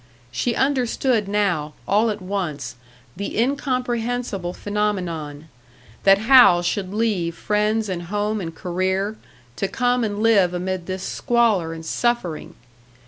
She understood now, all at once, the incomprehensible phenomenon that Hal should leave friends and home and career, to come and live amid this squalor and suffering!